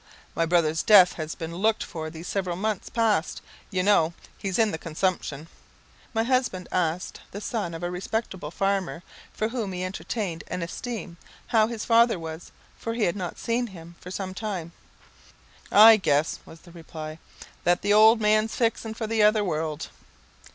"My brother's death has been looked for these several months past; you know he's in the consumption." My husband asked the son of a respectable farmer, for whom he entertained an esteem, how his father was, for he had not seen him for some time? "I guess," was the reply, "that the old man's fixing for the other world."